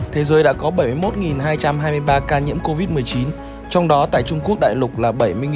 thế giới đã có bảy mươi một hai trăm hai mươi ba ca nhiễm covid một mươi chín trong đó tại trung quốc đại lục là bảy mươi bốn trăm bốn mươi hai